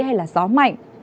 hay gió mạnh